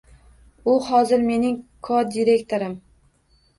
U hozir mening Ko-direktorim.